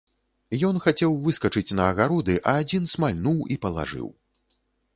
Ён хацеў выскачыць на агароды, а адзін смальнуў і палажыў.